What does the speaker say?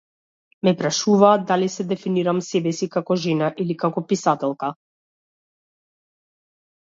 Ме прашуваа дали се дефинирам себе си како жена или како писателка.